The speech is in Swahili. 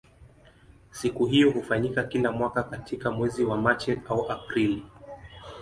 Siku hiyo hufanyika kila mwaka katika mwezi wa Machi au Aprili.